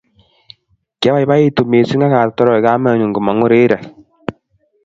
Kiaboiboitu mising akatoroch kamenyu komang'u rirek